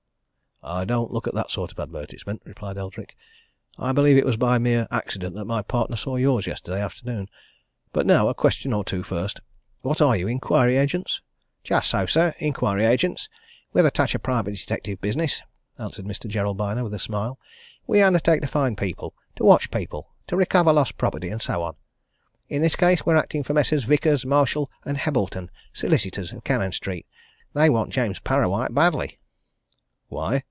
"I don't look at that sort of advertisement," replied Eldrick. "I believe it was by mere accident that my partner saw yours yesterday afternoon. But now, a question or two first. What are you inquiry agents?" "Just so, sir inquiry agents with a touch of private detective business," answered Mr. Gerald Byner with a smile. "We undertake to find people, to watch people, to recover lost property, and so on. In this case we're acting for Messrs. Vickers, Marshall & Hebbleton, Solicitors, of Cannon Street. They want James Parrawhite badly." "Why?"